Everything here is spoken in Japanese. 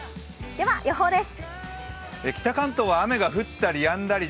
では、予報です。